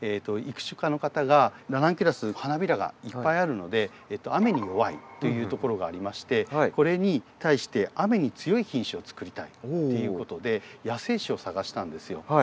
育種家の方がラナンキュラス花びらがいっぱいあるので雨に弱いというところがありましてこれに対して雨に強い品種を作りたいっていうことで野生種を探したんですよ。